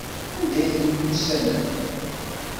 Anda ay temyussanem?